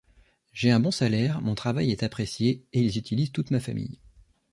J’ai un bon salaire, mon travail est apprécié et ils utilisent toute ma famille.